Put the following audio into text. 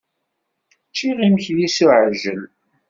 Ččiɣ imekli s uɛijel.